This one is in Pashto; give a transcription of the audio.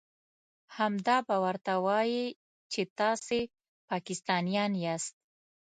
همدا به ورته وايئ چې تاسې پاکستانيان ياست.